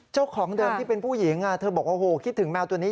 เจ้าของเดิมที่เป็นผู้หญิงเธอบอกว่าโหคิดถึงแมวตัวนี้